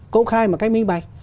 công khai mà cách minh bạch